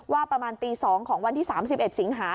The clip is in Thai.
ว่าประมาณตี๒ของวันที่๓๑สิงหา